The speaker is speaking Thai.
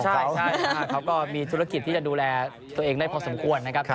ใช่เขาก็มีธุรกิจที่จะดูแลตัวเองได้พอสมควรนะครับ